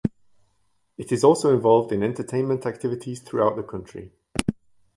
It is also involved in entertainment activities throughout the country.